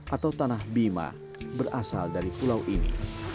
atau tanah bima berasal dari pulau ini